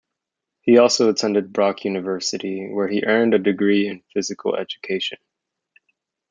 He also attended Brock University, where he earned a degree in physical education.